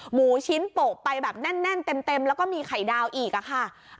หมูชิ้นโปะไปแบบแน่นเต็มแล้วก็มีไข่ดาวอีกอะค่ะ